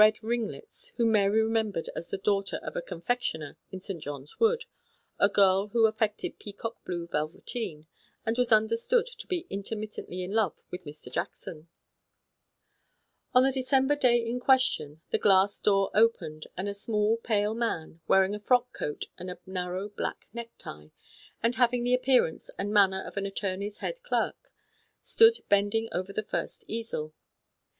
ringlets, whom Mary remembered as the daughter of a confectioner in St. John's Wood, a girl who affected peacock blue vel veteen, and was understood to be intermit tently in love with Mr. Jackson. These were Mary's companions for six months behind the dingy serge curtain. On the December day in question, the glass door opened, and a small, pale man, wearing a frock coat and a narrow black necktie, and having the appearance and manner of an attorney's head clerk, stood bending over the first easel.